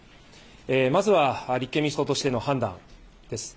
まずは立憲民主党としての判断です。